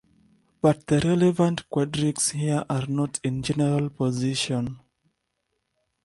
But the relevant quadrics here are not in general position.